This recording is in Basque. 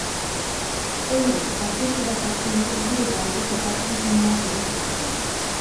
Hori bai, tartetxo bat hartu du gure galdeketa intimoa erantzuteko.